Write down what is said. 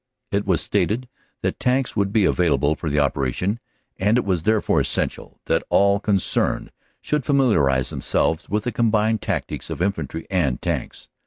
It was stated that Tanks would be available for the operation and it was therefore essential that all concerned should familiarize themselves with the combined tactics of Infantry and Tanks.